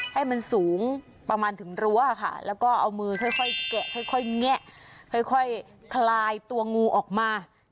ให้มันสูงประมาณถึงรั้วค่ะแล้วก็เอามือค่อยแกะค่อยแงะค่อยคลายตัวงูออกมา